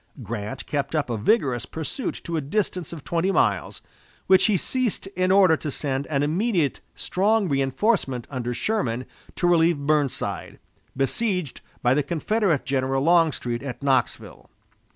Grant kept up a vigorous pursuit to a distance of twenty miles, which he ceased in order to send an immediate strong reinforcement under Sherman to relieve Burnside, besieged by the Confederate General Longstreet at Knoxville.